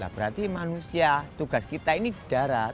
berarti manusia tugas kita ini di darat